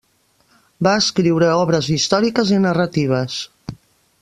Va escriure obres històriques i narratives.